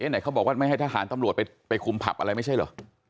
ไหนเขาบอกว่าไม่ให้ทหารตำรวจไปคุมผับอะไรไม่ใช่เหรอ